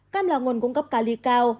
cam là nguồn cung cấp cali cao